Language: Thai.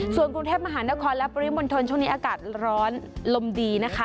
ส่วนกรุงเทพมหานครและปริมณฑลช่วงนี้อากาศร้อนลมดีนะคะ